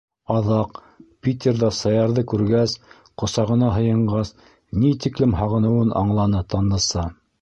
Аҙаҡ, Питерҙа Саярҙы күргәс, ҡосағына һыйынғас, ни тиклем һағыныуын аңланы Тандыса!